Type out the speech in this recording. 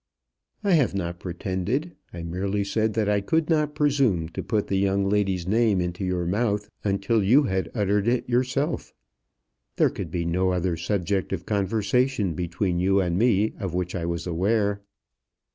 "I have not pretended. I merely said that I could not presume to put the young lady's name into your mouth until you had uttered it yourself. There could be no other subject of conversation between you and me of which I was aware."